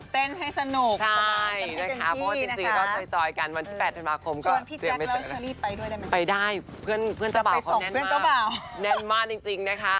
เต้นให้สนุกสง่านให้เป็นที่นะใช่